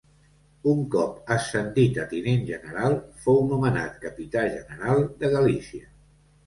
Un cop ascendit a tinent general, fou nomenat capità general de Galícia.